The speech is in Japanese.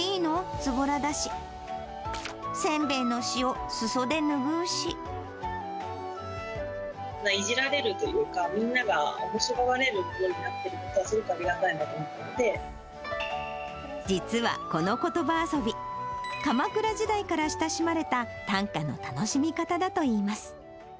ずぼらだし、せんべいの塩、いじられるというか、みんながおもしろがれるものになっているのがすごくありがたいなと思っ実は、このことば遊び、鎌倉時代から親しまれた短歌の楽しみ方だといいます。